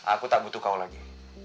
aku tak butuh kau lagi